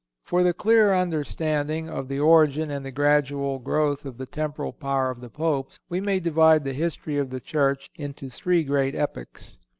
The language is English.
For the clearer understanding of the origin and the gradual growth of the Temporal Power of the Popes, we may divide the history of the Church into three great epochs.